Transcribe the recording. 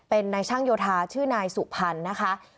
เป็นนายช่างโยธาชื่อนายสุพรรณนะคะ